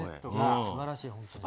すばらしい、本当に。